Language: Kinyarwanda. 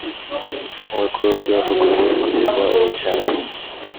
nk uko ryavuguruwe kugeza ubu cyane